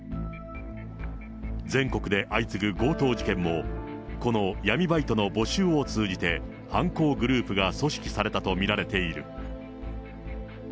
全国で相次ぐ強盗事件も、この闇バイトの募集を通じて、犯行グループが組織されたと見られている。